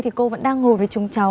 thì cô vẫn đang ngồi với chúng cháu